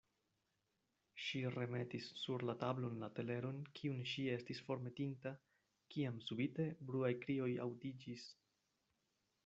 Ŝi remetis sur la tablon la teleron, kiun ŝi estis formetinta, kiam subite bruaj krioj aŭdiĝis.